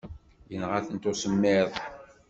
Yenɣa-tent usemmiḍ.